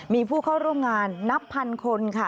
มีผู้เข้าร่วมงานนับพันคนค่ะ